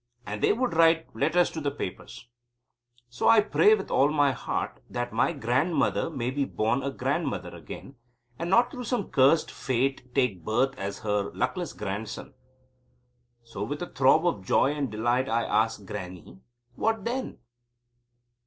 And they would write letters to the papers. So I pray with all my heart that my grandmother may be born a grandmother again, and not through some cursed fate take birth as her luckless grandson. So with a throb of joy and delight, I asked Grannie: "What then?"